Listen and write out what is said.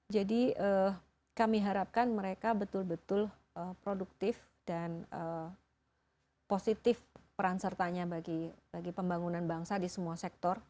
jadi kami harapkan mereka betul betul produktif dan positif peran sertanya bagi pembangunan bangsa di semua sektor